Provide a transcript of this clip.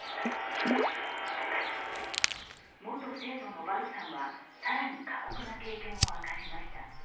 元生徒のバドさんは更に過酷な経験を明かしました。